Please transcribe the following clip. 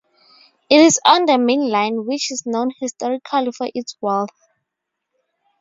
It is on the Main Line, which is known historically for its wealth.